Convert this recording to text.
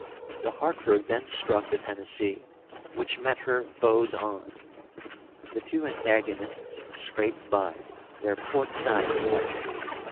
The Hartford then struck the Tennessee, which met her bows on. The two antagonists scraped by, their port sides touching.